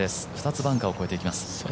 ２つバンカーを越えていきます。